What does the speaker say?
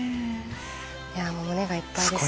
もう胸がいっぱいですね。